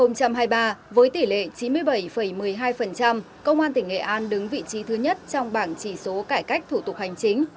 năm hai nghìn hai mươi ba với tỷ lệ chín mươi bảy một mươi hai công an tỉnh nghệ an đứng vị trí thứ nhất trong bảng chỉ số cải cách thủ tục hành chính